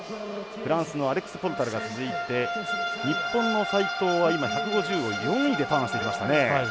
フランスのアレクス・ポルタルが続いて日本の齋藤は今、１５０を４位でターンしてきましたね。